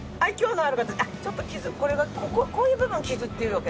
こういう部分傷っていうわけですか？